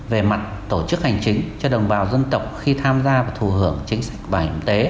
về mặt tổ chức hành chính cho đồng bào dân tộc khi tham gia và thù hưởng chính sách bảo hiểm y tế